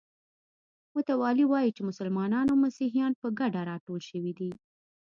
متوالي وایي چې مسلمانان او مسیحیان په ګډه راټول شوي دي.